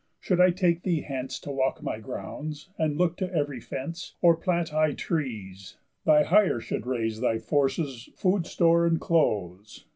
Should I take thee hence To walk my grounds, and look to ev'ry fence, Or plant high trees, thy hire should raise thy forces Food store, and clothes.